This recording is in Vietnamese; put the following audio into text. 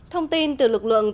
thông tin từ lực lượng